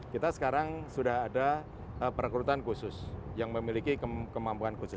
kita sekarang sudah ada perekrutan khusus yang memiliki kemampuan khusus